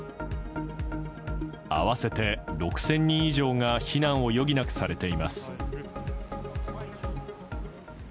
合わせて６０００人以上が避難を余儀なくされています。